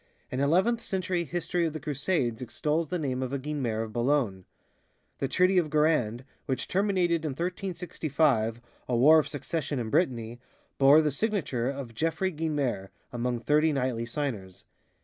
An eleventh century history of the Crusades extols the name of a Guinemer of Boulogne. The Treaty of Guérande, which terminated in 1365 a war of succession in Brittany, bore the signature of Geoffroy Guinemer among thirty knightly signers.